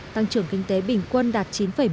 tăng trưởng kinh tế bình quân đạt chín một mươi